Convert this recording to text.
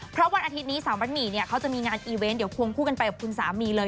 เพราะวันอาทิตย์นี้สาวมัดหมี่เนี่ยเขาจะมีงานอีเวนต์เดี๋ยวควงคู่กันไปกับคุณสามีเลย